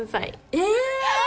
え！